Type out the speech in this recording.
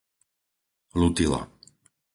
Lutila